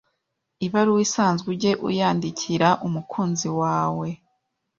ibaruwa isanzwe ujye uyandikiraumukunzi waewe